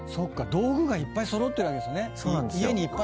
道具がいっぱい揃ってるわけですね。